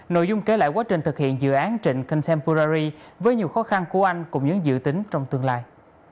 nội dung kể lại quá trình thực hiện dự án trịnh king purari với nhiều khó khăn của anh cùng những dự tính trong tương lai